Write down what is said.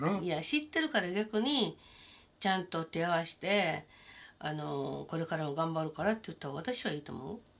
知ってるから逆にちゃんと手を合わせてこれからも頑張るからって言った方が私はいいと思う。